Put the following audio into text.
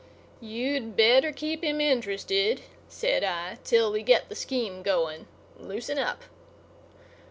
"You'd better keep him interested," said I, "till we get the scheme going. Loosen up."